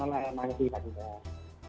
selamat malam m i t